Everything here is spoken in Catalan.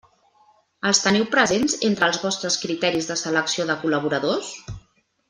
Els teniu presents entre els vostres criteris de selecció de col·laboradors?